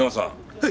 はい。